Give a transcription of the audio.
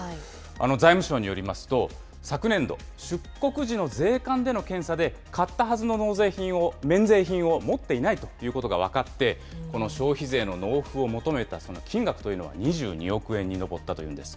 財務省によりますと、昨年度、出国時の税関での検査で、買ったはずの免税品を持っていないということが分かって、この消費税の納付を求めたその金額というのは２２億円に上ったというんです。